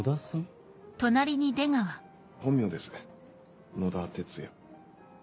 本名です野田哲也。